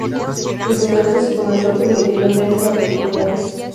Desde entonces se comenzó a permitir las ventas a particulares.